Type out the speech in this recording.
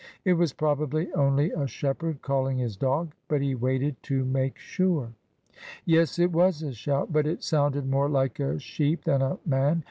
It was probably only a shepherd calling his dog, but he waited to make sure. Yes, it was a shout, but it sounded more like a sheep than a man.